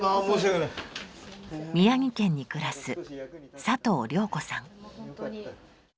宮城県に暮らす佐藤良子さん。